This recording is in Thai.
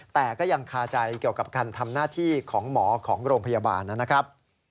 แต่ก็ยังคาใจเกี่ยวกับการทำหน้าที่ของหมอของโรงพยาบาลนะครับ